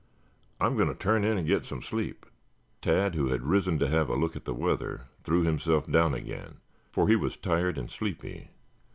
I am going to turn in and get some sleep." Tad, who had risen to have a look at the weather, threw himself down again, for he was tired and sleepy.